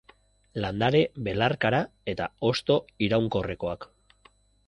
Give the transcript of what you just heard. Landare belarkara eta hosto iraunkorrekoak.